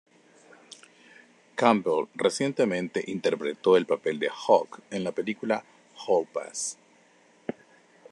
Campbell recientemente interpretó el papel de Hog en la película "Hall Pass".